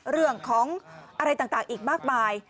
เรื่องของอะไรต่างอีกมากมาย